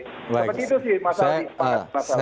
seperti itu sih mas aldi